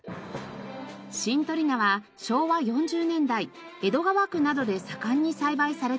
シントリ菜は昭和４０年代江戸川区などで盛んに栽培されていました。